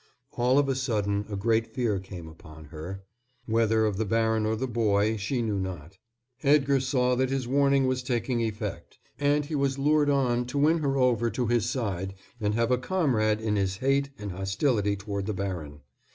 All of a sudden a great fear came upon her, whether of the baron or the boy, she knew not. Edgar saw that his warning was taking effect, and he was lured on to win her over to his side and have a comrade in his hate and hostility toward the baron.